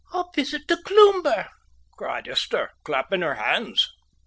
"A visit to Cloomber," cried Esther, clapping her hands.